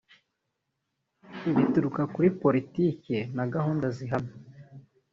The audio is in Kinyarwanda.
Bituruka kuri politiki na gahunda zihamye